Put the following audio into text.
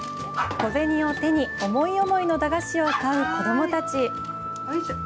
小銭を手に、思い思いの駄菓子を買う子どもたち。